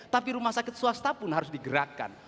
tapi rumah sakit swasta pun harus digerakkan